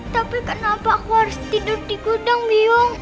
tapi kenapa aku harus tidur di gudang miung